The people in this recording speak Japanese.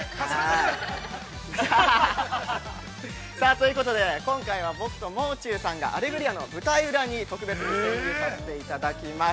ということで今回は僕ともう中さんがアレグリアの舞台裏に、特別に潜入させていただきます。